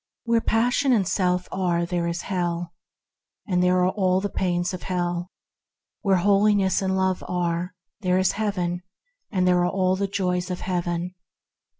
Where passion and self are, there is hell, and there are all the pains of hell; where Holiness and Love are, there is Heaven, and there are all the joys of Heaven.